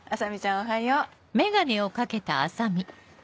おはよう。